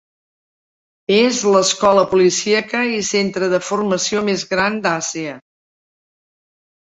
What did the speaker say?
És l'escola policíaca i centre de formació més gran d'Àsia.